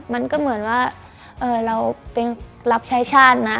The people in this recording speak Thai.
มันก็เหมือนว่าเราเป็นรับใช้ชาตินะ